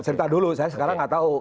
cerita dulu saya sekarang nggak tahu